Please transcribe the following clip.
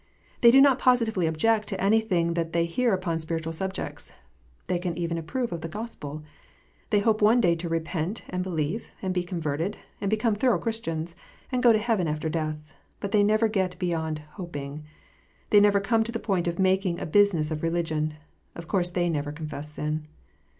They do not positively object to anything that they hear upon spiritual subjects. They can even approve of the Gospel. They hope one day to repent, and believe, and be converted, and become thorough Christians, and go to heaven after death. But they never get beyond "hoping." They never come to the point of making a business of religion. Of course they never confess sin.